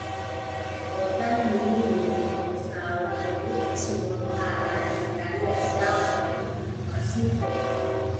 O tammi ni yimɓe mon, saaro mon yecci mon haalaaji taariya jaaman ɗuuɗɗum masin.